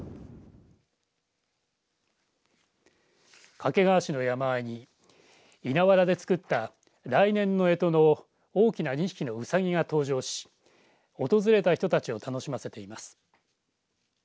掛川市の山あいに稲わらで作った来年のえとの大きな２匹のうさぎが登場し訪れた人たちを楽しませています。